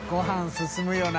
竿進むよな。